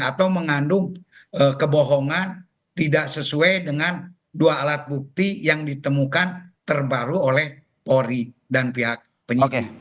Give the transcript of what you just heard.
atau mengandung kebohongan tidak sesuai dengan dua alat bukti yang ditemukan terbaru oleh polri dan pihak penyidik